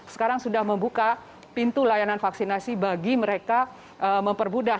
sekarang sudah membuka pintu layanan vaksinasi bagi mereka mempermudah